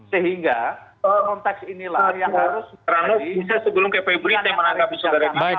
sehingga konteks inilah yang harus menjadi